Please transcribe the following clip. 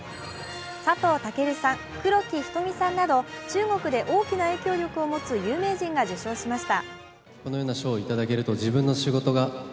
佐藤健さん、黒木瞳さんなど中国で大きな影響力を持つ有名人が受賞しました。